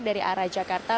dari arah jakarta